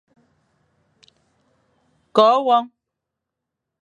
Ko won.